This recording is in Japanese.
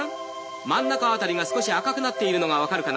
真ん中辺りが少し赤くなっているのが分かるかな？